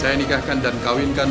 saya nikahkan dan kawinkan